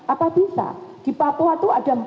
apa bisa di papua itu ada